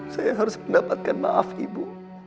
saya harus mendapatkan maaf ibu